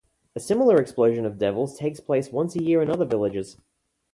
A similar expulsion of devils takes place once a year in other villages.